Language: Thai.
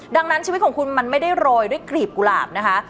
ดังนั้นชีวิตของคุณมันไม่ได้โรยด้วยกลีบกุหลาบนะคะ